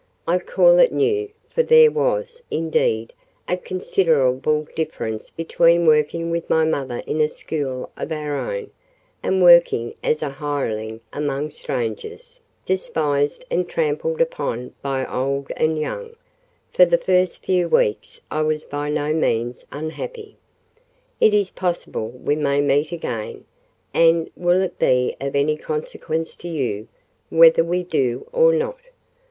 I call it new, for there was, indeed, a considerable difference between working with my mother in a school of our own, and working as a hireling among strangers, despised and trampled upon by old and young; and for the first few weeks I was by no means unhappy. "It is possible we may meet again," and "will it be of any consequence to you whether we do or not?"